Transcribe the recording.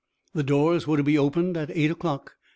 The doors were to be opened at eight o'clock.